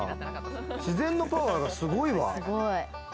自然のパワーがすごいわ。